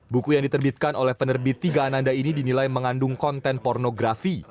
buku yang diterbitkan oleh penerbit tiga ananda ini dinilai mengandung konten pornografi